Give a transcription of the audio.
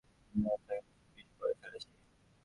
তুমি জন্তুটার একটু বেশিই প্রশংসা করে ফেলছো।